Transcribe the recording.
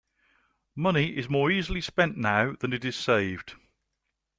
Money is more easily spent now than it is saved.